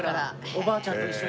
おばあちゃんと一緒にね